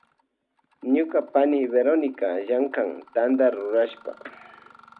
Ñuka pani Verónica llankan Tanta rurashpa.